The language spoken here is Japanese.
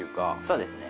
そうですね。